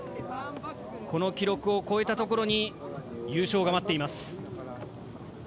この記録を超えたところに優勝が待っています。